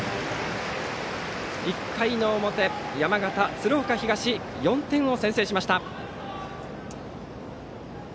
１回の表、山形・鶴岡東４点を先制しました。